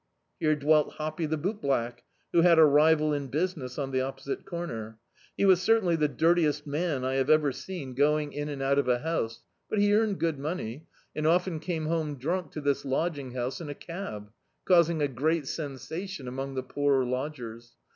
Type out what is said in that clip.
Here dwelt "Hoppy" the bootblack, who had a rival in business on the opposite comer. He was certainly the dirtiest man I have ever seen going in [2i9l D,i.,.db, Google The Autobiography of a Super Tramp and out of a house, but he earned good money, and often came home dninlc to this lodging house in a cab, causing a great sensation among the poorer lodgers.